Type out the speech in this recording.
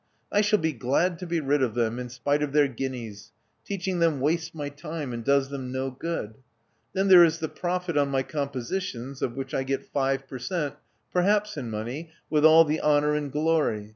I shall be glad to be rid of them, in spite of their guineas: teaching them wastes my time, and does them no good. Then there is the profit on my compositions, of which I get five per cent, perhaps in money, with all the honor and glory.